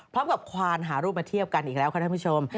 พร้อมกับควานหารูปมาเทียบกันอีกแล้วค่ะท่านผู้ชม